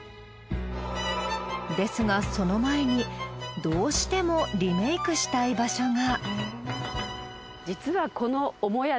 ですがその前にどうしてもリメイクしたい場所が。